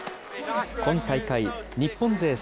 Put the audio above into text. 今大会、日本勢